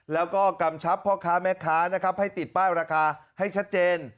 แล้วก็กำชับพ่อค้าแม่ค้านะครับให้ติดป้ายราคาให้ชัดเจน